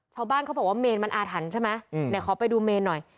ชาวบ้านเขาบอกว่าเมนมันอาถรรพ์ใช่ไหมเนี่ยขอไปดูเมนหน่อย